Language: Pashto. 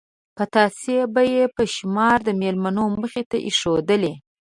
پتاسې به یې په شمار د مېلمنو مخې ته ایښودلې.